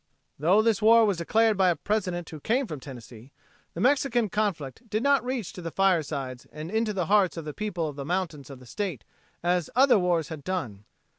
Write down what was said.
Tho this war was declared by a President who came from Tennessee, the Mexican conflict did not reach to the firesides and into the hearts of the people of the mountains of the state as other wars had done.